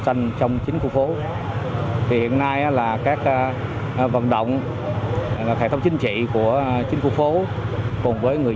xanh trong chính khu phố hiện nay là các vận động hệ thống chính trị của chính khu phố cùng với người